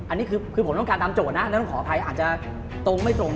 อันนี้คือผมต้องการตามโจทย์นะแล้วต้องขออภัยอาจจะตรงไม่ตรง